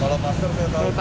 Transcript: kalau masker dia tau